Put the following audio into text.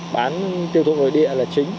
bán tiêu thụ nội địa là chính